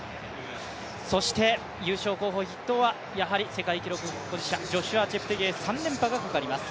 そして優勝候補筆頭はやはり世界記録保持者ジョシュア・チェプテゲイ、３連覇がかかります。